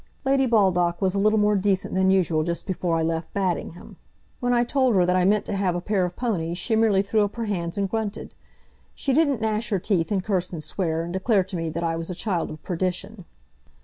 Lady Baldock was a little more decent than usual just before I left Baddingham. When I told her that I meant to have a pair of ponies, she merely threw up her hands and grunted. She didn't gnash her teeth, and curse and swear, and declare to me that I was a child of perdition."